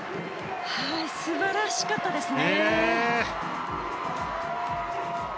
素晴らしかったですね。